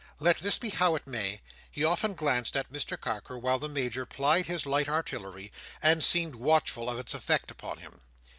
Let this be how it may, he often glanced at Mr Carker while the Major plied his light artillery, and seemed watchful of its effect upon him.